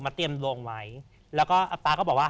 เตรียมโรงไว้แล้วก็ป๊าก็บอกว่า